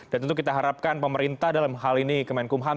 dan tentu kita harapkan pemerintah dalam hal ini kemenkumham